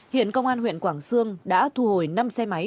hiện công an huyện quảng sương đã thu hồi năm xe máy